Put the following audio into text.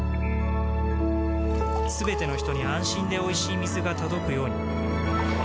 すべての人に安心でおいしい水が届くように